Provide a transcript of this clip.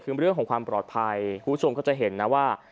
คือเรื่องของความปลอดภัยคุณผู้ชมก็จะเห็นนะว่า